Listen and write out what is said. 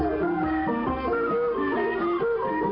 ถ้าเจ้าจะยกหัวบัุตร